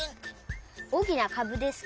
おおきなかぶですか？